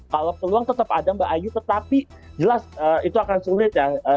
kalau peluang tetap ada mbak ayu tetapi jelas itu akan sulit ya